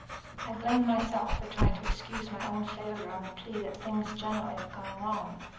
"I blame myself for trying to excuse my own failure on the plea that things generally have gone wrong.